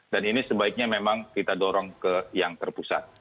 dan ini sebaiknya memang kita dorong ke yang terpusat